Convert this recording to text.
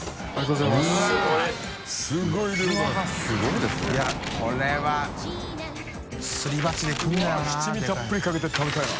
うわぁ七味たっぷりかけて食べたいな。